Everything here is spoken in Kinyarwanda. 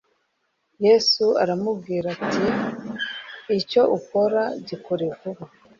«Yesu aramubwira ati : Icyo ukora gikore vuba.